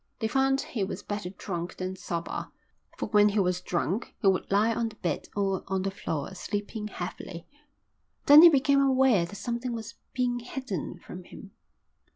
They found he was better drunk than sober, for when he was drunk he would lie on the bed or on the floor, sleeping heavily. Then he became aware that something was being hidden from him.